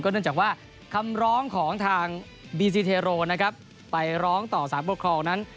ก็เนื่องจากว่าคำร้องของทางบีซีเทโรไปร้องต่อ๓บทครองนั้น